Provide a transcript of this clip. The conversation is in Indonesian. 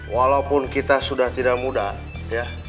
walaupun kita sudah tidak mudah ya